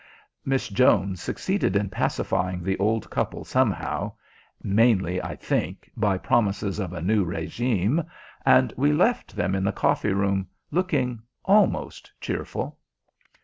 Miss Jones succeeded in pacifying the old couple somehow mainly, I think, by promises of a new régime and we left them in the coffee room looking almost cheerful.